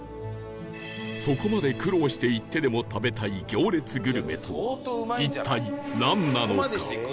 そこまで苦労して行ってでも食べたい行列グルメとは一体なんなのか？